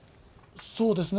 そうですね。